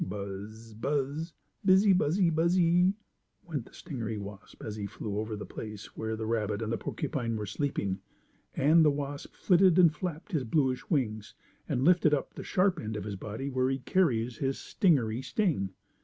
"Buzz! Buzz! Bizzy buzzy buzzy!" went the stingery wasp, as he flew over the place where the rabbit and porcupine were sleeping. And the wasp flitted and flapped his bluish wings and lifted up the sharp end of his body where be carries his stingery sting.